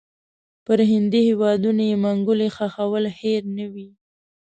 پر هندي هیوادونو یې منګولې ښخول هېر نه وي.